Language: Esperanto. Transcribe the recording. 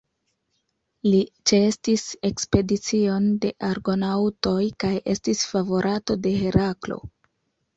Li ĉeestis ekspedicion de Argonaŭtoj kaj estis favorato de Heraklo.